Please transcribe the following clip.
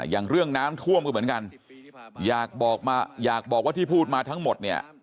อย่างเรื่องน้ำท่วมก็เหมือนกันอยากบอกมาอยากบอกว่าที่พูดมาทั้งหมดเนี่ย